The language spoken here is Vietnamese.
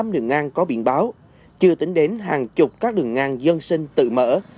một mươi năm đường ngang có biển báo chưa tính đến hàng chục các đường ngang dân sinh tự mở